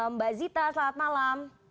mbak zita selamat malam